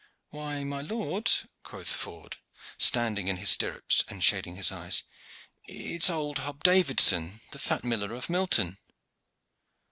"Why, my lord," quoth Ford, standing in his stirrups and shading his eyes, "it is old Hob Davidson, the fat miller of Milton!"